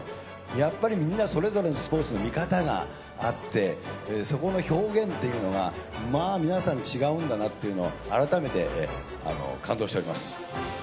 やっぱりみんなそれぞれのスポーツの見方があって、そこの表現っていうのが、まあ皆さん違うんだなというのを改めて感動しております。